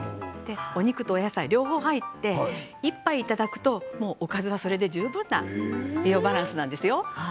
お肉とお野菜、両方入って１杯いただくとおかずはそれで十分な栄養バランスなんですよ。